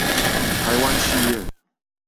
台灣企業